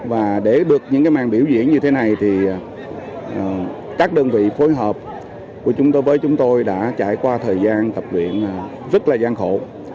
và để được những màn biểu diễn như thế này thì các đơn vị phối hợp với chúng tôi đã trải qua thời gian tập luyện rất là gian khổ